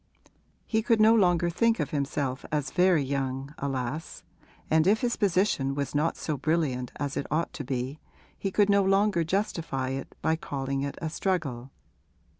He could no longer think of himself as very young, alas, and if his position was not so brilliant as it ought to be he could no longer justify it by calling it a struggle.